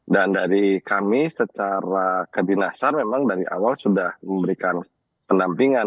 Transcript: dan dari kami secara kedinasan memang dari awal sudah memberikan penampingan